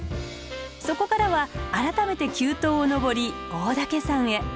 そこからは改めて急登を登り大岳山へ。